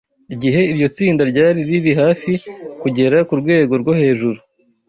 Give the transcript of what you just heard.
Igihe iryo tsinda ryari riri hafi kugera ku rwego rwo hejuru